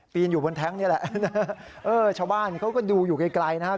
อยู่บนแท้งนี่แหละเออชาวบ้านเขาก็ดูอยู่ไกลนะครับ